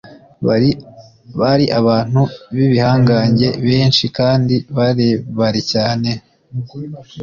bari abantu b’ibihangange, benshi kandi barebare cyane